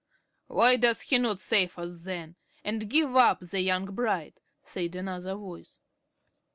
"Why does he not save us then, and give up the young bride?" said another voice.